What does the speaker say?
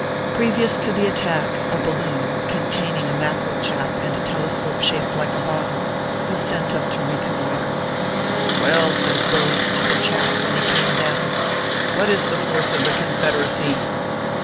Previous to the attack, a balloon, containing a Mackerel chap, and a telescope shaped like a bottle, was sent up to reconnoitre. " Well/ says Yilliam to the chap when he came down, " what is the force of the Confederacy